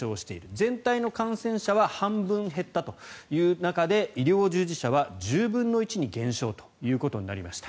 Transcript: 全体の感染者は半分減ったという中で医療従事者は１０分の１に減少ということになりました。